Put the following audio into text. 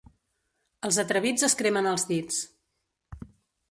Els atrevits es cremen els dits.